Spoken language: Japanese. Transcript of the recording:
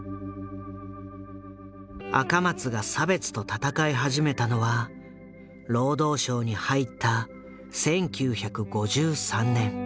赤松が差別と闘い始めたのは労働省に入った１９５３年。